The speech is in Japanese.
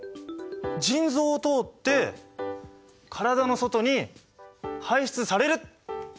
腎臓を通って体の外に排出される！ってことですね？